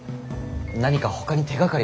何かほかに手がかりは？